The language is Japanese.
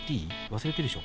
忘れてるでしょ？